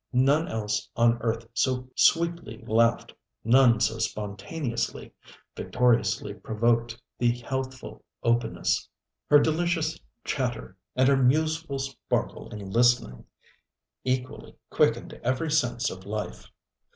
None else on earth so sweetly laughed, none so spontaneously, victoriously provoked the healthful openness. Her delicious chatter, and her museful sparkle in listening, equally quickened every sense of life.